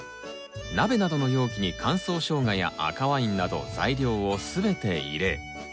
鍋などの容器に乾燥ショウガや赤ワインなど材料を全て入れ